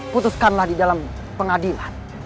putuskanlah di dalam pengadilan